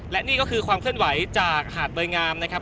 และนี่ก็คือความเคลื่อนไหวจากหาดเบอร์งามนะครับ